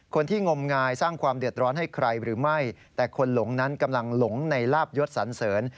งมงายสร้างความเดือดร้อนให้ใครหรือไม่แต่คนหลงนั้นกำลังหลงในลาบยศสันเสริญ